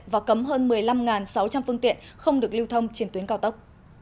và cấm hơn một mươi năm sáu trăm linh phương tiện không được lưu thông trên tuyến cao tốc